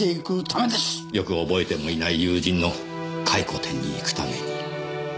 よく憶えてもいない友人の回顧展に行くために。